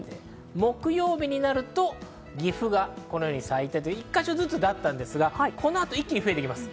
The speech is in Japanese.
木曜日になると、岐阜がこのように咲いてと、１か所ずつだったんですが、この後、一気に増えていきます。